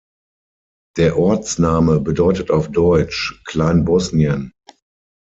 Der Ortsname bedeutet auf Deutsch „Klein-Bosnien“.